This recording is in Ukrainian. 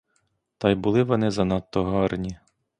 Та й були вони занадто гарні.